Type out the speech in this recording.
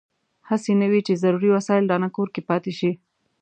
هسې نه وي چې ضروري وسایل رانه کور کې پاتې شي.